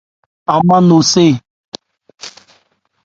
Án mân no cɛ́ɛ́.